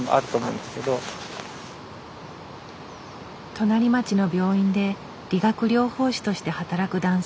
隣町の病院で理学療法士として働く男性。